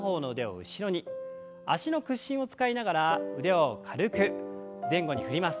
脚の屈伸を使いながら腕を軽く前後に振ります。